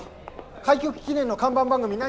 開局記念の看板番組何にする？